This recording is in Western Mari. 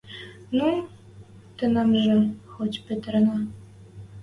– Ну, тӹнӓмжӹ хоть пӹтӓренӓ...